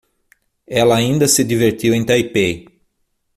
Ela ainda se divertiu em Taipei.